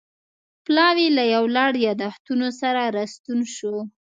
پلاوی له یو لړ یادښتونو سره راستون شو